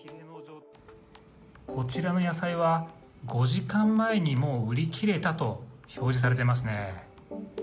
こちらの野菜は、５時間前にもう売り切れたと表示されていますね。